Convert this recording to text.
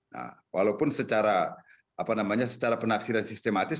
nah walaupun secara apa namanya secara penafsiran sistematis